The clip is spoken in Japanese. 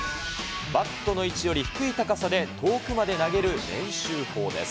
バットの位置より低い高さで遠くまで投げる練習法です。